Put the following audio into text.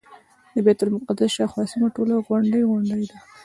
د بیت المقدس شاوخوا سیمه ټوله غونډۍ غونډۍ ده.